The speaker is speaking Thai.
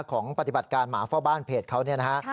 ของปฏิบัติการหมาเฝ้าบ้านเพจเขาเนี่ยนะฮะ